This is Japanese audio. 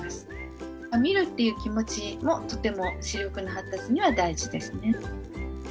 「見る」っていう気持ちもとても視力の発達には大事ですね。